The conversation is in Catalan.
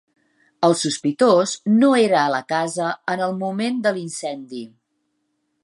El sospitós no era a la casa en el moment de l'incendi